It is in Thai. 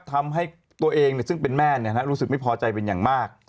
ทำให้ตัวเองซึ่งเป็นแม่รู้สึกไม่พอใจเป็นอย่างมาก